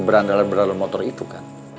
berandalan berlalu motor itu kan